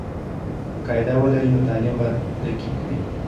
که قاعده ولري، نو تعلیم به دقیق وي.